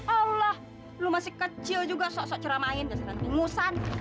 allah lu masih kecil juga sok sok ceramahin dan sering ngusantik